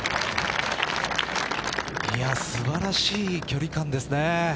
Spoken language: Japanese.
素晴らしい距離感ですね。